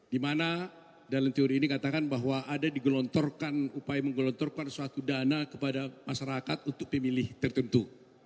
di mana dalam teori ini katakan bahwa ada digelontorkan upaya menggelontorkan suatu dana kepada masyarakat untuk pemilih tertentu